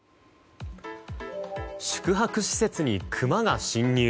宿泊施設にクマが侵入。